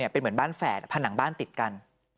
เป็นเหมือนบ้านแฝดผนังบ้านติดกัน